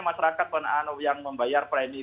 masyarakat yang membayar premium